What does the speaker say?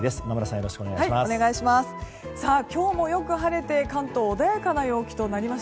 よろしくお願いします。